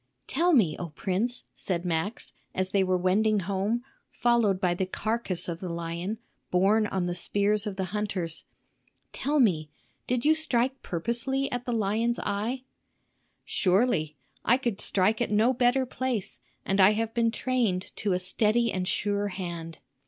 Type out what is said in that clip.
"Tell me, O prince," said Max, as they were wending home, followed by the carcass of the lion, borne on the spears of the hunters,—"tell me, did you strike purposely at the lion's eye?" "Surely; I could strike at no better place, and I have been trained to a steady and sure hand."